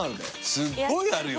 すごいあるよ。